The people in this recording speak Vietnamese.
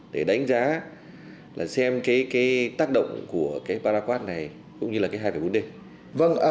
để đánh giá xem tác động của paraquat này cũng như là hai vẻ vấn đề